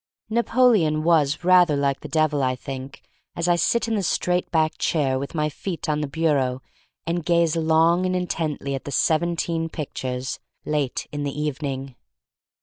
Napoleon was rather like the Devil, I think as I] sit in the straight backed chair with my feet on the bureau and gaze long and intently at the seventeen pictures, late in the evening.